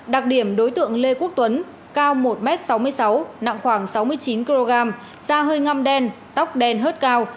đặc điểm đối tượng lê quốc tuấn cao một m sáu mươi sáu nặng khoảng sáu mươi chín kg da hơi ngăm đen tóc đen hớt cao